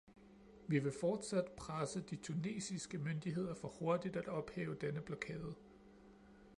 Vi vil fortsat presse de tunesiske myndigheder for hurtigt at ophæve denne blokade.